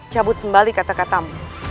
cabut sebalik kata katamu